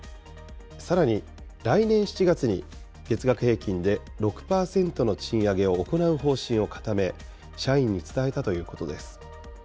さらに、来年７月に月額平均で６％の賃上げを行う方針を固め、社員に伝えたということです。